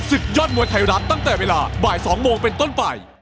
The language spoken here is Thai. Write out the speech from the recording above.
ศึกยอดมวยไทยรัฐตั้งแต่เวลาบ่าย๒โมงเป็นต้นไป